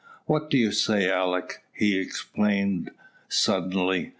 "What do you say, Alick?" he exclaimed, suddenly.